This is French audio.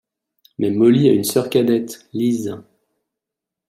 Mais Mollie a une sœur cadette, Liz...